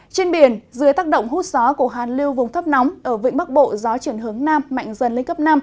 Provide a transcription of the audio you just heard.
trên biển dưới tác động hút gió của hàn lưu vùng thấp nóng ở vĩnh bắc bộ gió chuyển hướng nam mạnh dần lên cấp năm